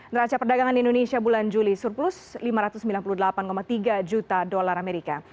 neraca perdagangan indonesia bulan juli surplus lima ratus sembilan puluh delapan tiga juta dolar amerika